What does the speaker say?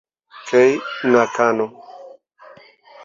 Kei Nakano